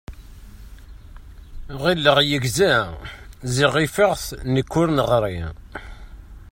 Ɣileɣ yegza, ziɣ ifeɣ-t nekk ur neɣṛi.